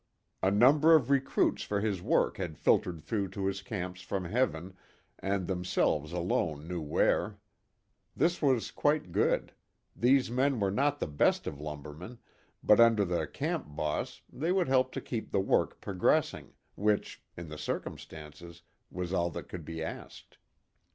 A number of recruits for his work had filtered through to his camps from Heaven and themselves alone knew where. This was quite good. These men were not the best of lumbermen, but under the "camp boss" they would help to keep the work progressing, which, in the circumstances, was all that could be asked.